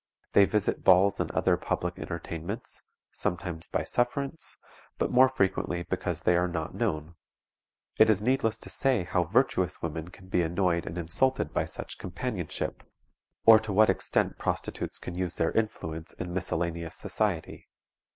They visit balls and other public entertainments; sometimes by sufferance, but more frequently because they are not known. It is needless to say how virtuous women can be annoyed and insulted by such companionship, or to what extent prostitutes can use their influence in miscellaneous society.